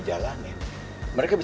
jalan terus nih boy